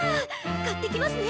買ってきますね！